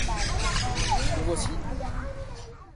Le voici.